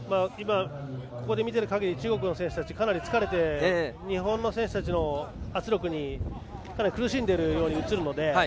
ここで見ている限り中国の選手たちかなり疲れて、日本の選手たちの圧力に苦しんでいるように映るので。